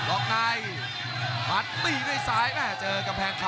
โอ้โหโอ้โหโอ้โหโอ้โห